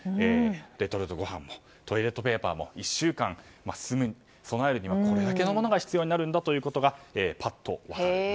レトルトご飯もトイレットペーパーも１週間備えるにはこれだけのものが必要になるんだということがパッと分かると。